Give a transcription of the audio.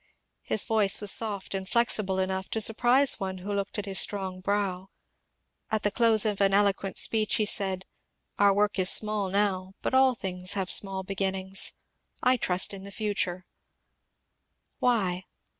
His voice was soft and flexible enough to surprise one who looked at his strong brow. At the close of an eloquent speech he said, ^^ Our work is small now, but all things have small beginnings. I trust in the future I " Why